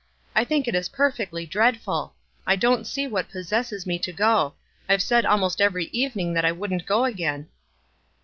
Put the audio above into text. I think it is perfectly dreadful. I don't see what possesses me to go. I've said almost every evening that I wouldn't go again."